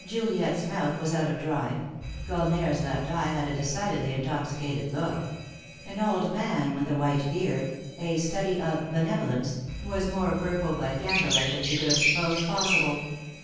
Juliet's mouth was out of draw ing ; Gulnare's left eye had a decidedly intoxicated look ; an old man with a white beard — a study of " Benevolence "— was more purple by candlelight than she could have supposed possible.